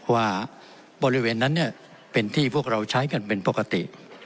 ว่าบริเวณนั้นเป็นที่พวกเราใช้กันเป็นปกติ